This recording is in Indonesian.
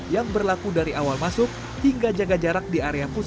yang berlaku dari awal masuk hingga jaga jarak di area pusat